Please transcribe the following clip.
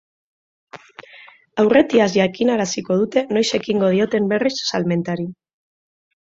Aurretiaz jakinaraziko dute noiz ekingo dioten berriz salmentari.